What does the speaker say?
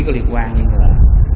có liên quan như là